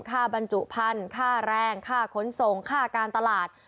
บรรจุพันธุ์ค่าแรงค่าขนส่งค่าการตลาด